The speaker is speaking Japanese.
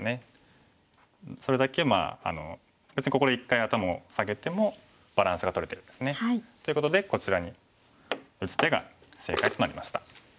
それだけ別にここで一回頭を下げてもバランスがとれてるんですね。ということでこちらに打つ手が正解となりました。